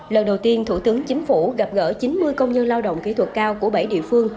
lần đầu tiên thủ tướng chính phủ gặp gỡ chín mươi công nhân lao động kỹ thuật cao của bảy địa phương